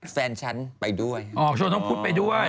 แฟนฉันไปด้วยอ๋อชวนน้องพุทธไปด้วย